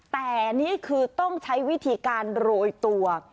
แต่นี่คือต้องใช้วิธีการโรยตัว